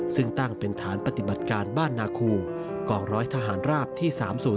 ซึ่งตั้งเป็นฐานปฏิบัติการบ้านนาคูกองร้อยทหารราบที่๓๐๔